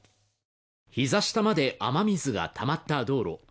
膝下まで雨水がたまった道路。